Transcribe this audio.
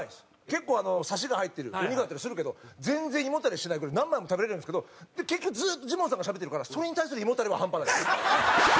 結構サシが入ってるお肉だったりするけど全然胃もたれしないから何枚も食べられるんですけど結局ずっとジモンさんがしゃべってるからそれに対する胃もたれは半端ないです。